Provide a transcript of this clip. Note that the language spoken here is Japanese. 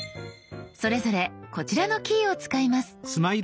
それぞれこちらのキーを使います。